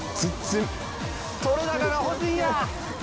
撮れ高が欲しいんや！